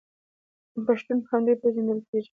پښتون په همدې پیژندل کیږي.